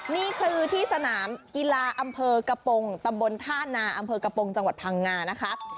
นี่คือที่สนามกีฬาอำเภอกระโปรงตำบลท่านาอำเภอกระโปรงจังหวัดพังงานะคะ